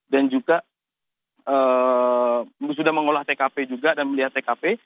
dan juga sudah mengolah tkp juga dan melihat tkp